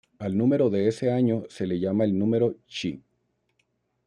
Al número de ese año se le llamaba el número "Shi".